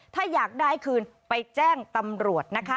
ถ้าอยากได้คืนไปแจ้งตำรวจนะคะ